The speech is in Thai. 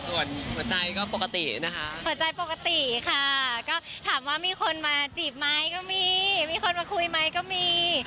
ส่วนหัวใจก็ปกตินะคะหัวใจปกติค่ะก็ถามว่ามีคนมาจีบไหมก็มีมีคนมาคุยไหมก็มี